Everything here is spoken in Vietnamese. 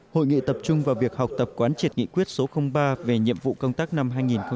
hội nghị tập trung vào việc học tập quán triệt nghị quyết số ba về nhiệm vụ công tác năm hai nghìn một mươi chín